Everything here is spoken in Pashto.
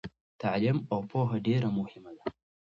تعلیم او پوهه ډیره مهمه ده.